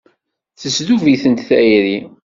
Tesdub-itent tayri.